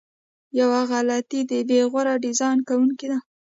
یوه غلطي د بې غوره ډیزاین کوونکو ده.